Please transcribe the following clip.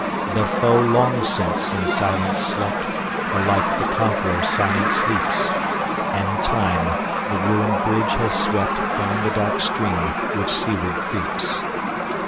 The foe long since in silence slept; Alike the conqueror silent sleeps; And Time the ruined bridge has swept Down the dark stream which seaward creeps.